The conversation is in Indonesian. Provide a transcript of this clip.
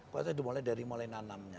kualitas itu mulai dari mulai nanamnya